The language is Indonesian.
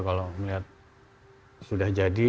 kalau melihat sudah jadi